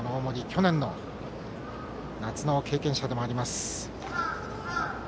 去年の夏の経験者でもあります。